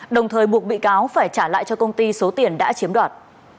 đồng thời buộc bị cáo phải trả lại cho công ty số tiền đã chiếm đoạt